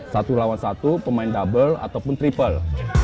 satu lawan satu pemain double ataupun triple